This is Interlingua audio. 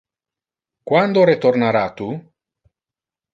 Quando retornara tu?